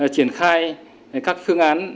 triển khai các phương án